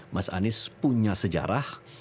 mas anies punya sejarah